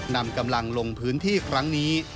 นำกำลังลงพื้นที่ครั้งนี้